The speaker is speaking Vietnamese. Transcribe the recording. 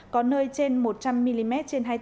có nơi trên một trăm linh mm